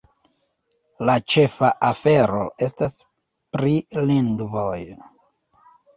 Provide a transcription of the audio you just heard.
La ĉefa afero estas pri lingvoj.